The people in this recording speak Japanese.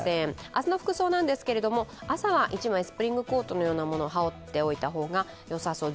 明日の服装なんですが、朝はスプリングコートのようなものを羽織っておいた方がよさそう。